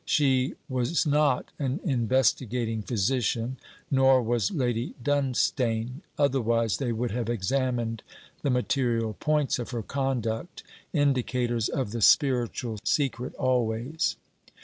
She, was not an investigating physician, nor was Lady Dunstane, otherwise they would have examined the material points of her conduct indicators of the spiritual secret always.